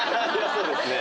そうですね。